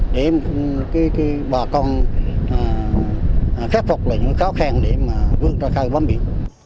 để bà con khép phục những khó khăn để vươn ra khơi bóng biển